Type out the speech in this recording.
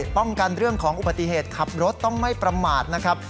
ป้องกันเรื่องของอุบัติเหตุขับรถต้องไม่ประมาทนะครับ